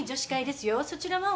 そちらは？